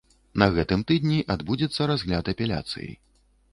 На гэтым тыдні адбудзецца разгляд апеляцыі.